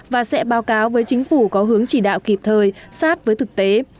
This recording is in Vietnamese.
và sẽ báo cáo với chính phủ có hướng chỉ đạo kịp thời sát với thực tế